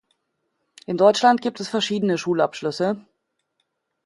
In Deutschland gibt es verschiedene Schulabschlüsse.